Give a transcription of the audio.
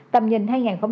tầm nhìn hai nghìn năm mươi